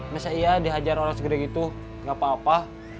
masa iya dihajar orang segede gitu gak apa apa